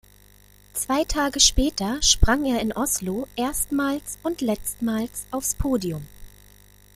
Zwei Tage später sprang er in Oslo erstmals und letztmals aufs Podium.